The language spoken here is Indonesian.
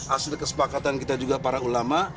hasil kesepakatan kita juga para ulama